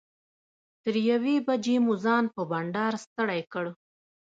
تر یوې بجې مو ځان په بنډار ستړی کړ.